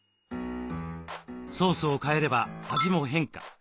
ソースを替えれば味も変化。